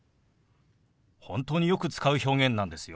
本当によく使う表現なんですよ。